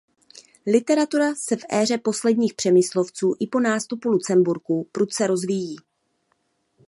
Literatura se v éře posledních Přemyslovců i po nástupu Lucemburků prudce rozvíjí.